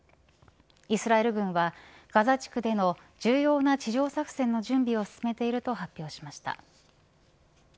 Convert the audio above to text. イスラエル軍はガザ地区での重要な地上作戦の準備を進めていると発表しました。